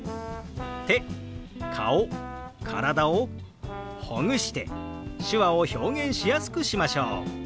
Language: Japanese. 手顔体をほぐして手話を表現しやすくしましょう！